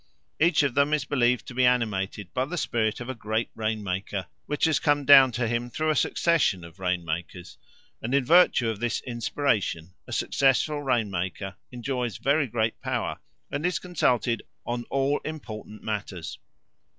Each of them is believed to be animated by the spirit of a great rain maker, which has come down to him through a succession of rain makers; and in virtue of this inspiration a successful rain maker enjoys very great power and is consulted on all important matters.